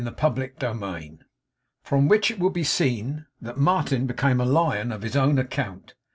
CHAPTER TWENTY TWO FROM WHICH IT WILL BE SEEN THAT MARTIN BECAME A LION OF HIS OWN ACCOUNT.